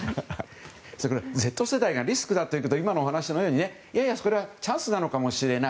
それからＺ世代がリスクだということは今のお話のようにややチャンスなのかもしれない。